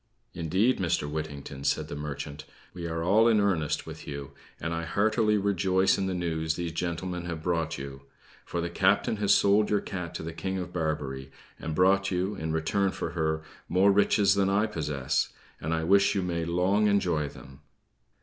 "Indeed, Mr. Whittington," said the merchant, "we are all in earnest with you; and I heartily rejoice in the news these gentlemen have brought you; for the captain has sold your cat to the King of Barbary, and brought you, in return for her, more riches than I possess; and I wish you may long enjoy them!"